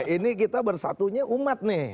ini kita bersatunya umat nih